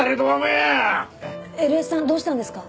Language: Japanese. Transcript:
エルエスさんどうしたんですか？